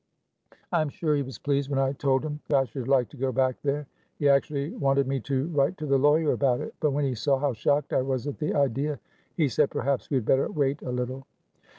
I am sure he was pleased when I told him that I should like to go back there. He actually wanted me to write to the lawyer about it. But when he saw how shocked I was at the idea, he said perhaps we had better wait a little."